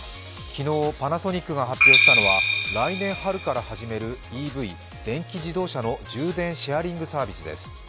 昨日、パナソニックが発表したのは、来年春から始めるＥＶ＝電気自動車の充電シェアリングサービスです。